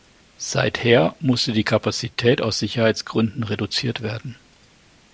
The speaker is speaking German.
Seither musste die Kapazität aus Sicherheitsgründen reduziert werden.